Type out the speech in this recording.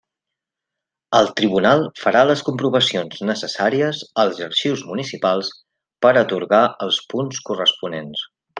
El tribunal farà les comprovacions necessàries als arxius municipals per atorgar els punts corresponents.